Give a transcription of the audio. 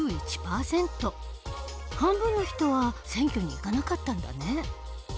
半分の人は選挙に行かなかったんだね。